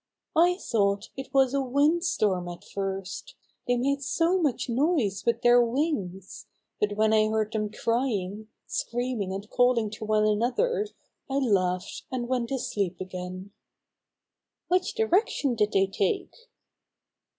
"I thought it was a wind storm at first, they made so much noise with Bobby Finds Plenty of Help 93 their wings, but when I heard them crying, screaming and calling to one another, I laughed and went to sleep again.'' "Which direction did they take?"